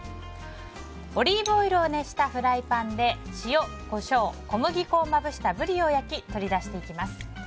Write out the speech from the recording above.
オリーブオイルを熱したフライパンで塩、コショウ、小麦粉をまぶしたブリを焼き、取り出します。